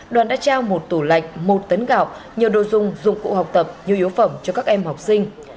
đoàn đã trao một tủ lạnh một tấn gạo nhiều đồ dùng dụng cụ học tập nhiều yếu phẩm cho các em học sinh